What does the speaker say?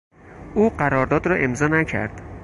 او قرارداد را امضا نکرد.